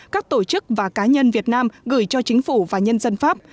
các tổ chức và cá nhân việt nam gửi cho chính phủ và nhân dân pháp